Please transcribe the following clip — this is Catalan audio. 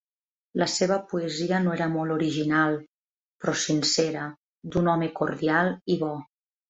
La seva poesia no era molt original, però sincera, d'un home cordial i bo.